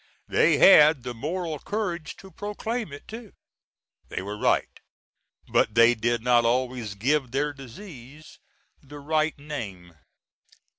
They had the moral courage to proclaim it, too. They were right; but they did not always give their disease the right name.